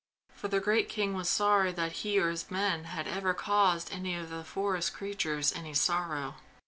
For the great king was sorry that he or his men had ever caused any of the forest creatures any sorrow.